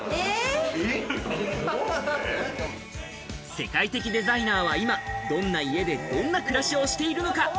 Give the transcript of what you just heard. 世界的デザイナーは、今、どんな家でどんな暮らしをしているのか。